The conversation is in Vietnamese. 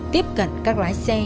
tiếp cận các lái xe